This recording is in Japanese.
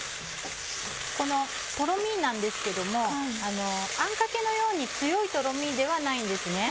このとろみなんですけどもあんかけのように強いとろみではないんですね。